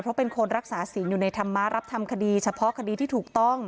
เพราะเป็นคนรักษาศีลอยู่ในธรรมะรับทำคดีเฉพาะคดีที่ถูกต้อง